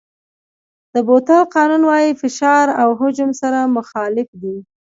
د بویل قانون وایي فشار او حجم سره مخالف دي.